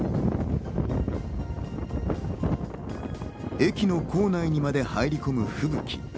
駅の構内にまで入り込む吹雪。